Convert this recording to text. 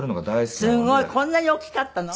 すごいこんなに大きかったの？